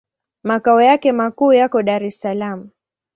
Makao yake makuu yako Dar es Salaam.